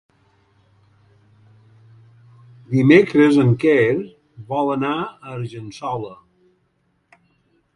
Dimecres en Quer vol anar a Argençola.